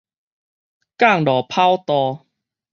降落跑道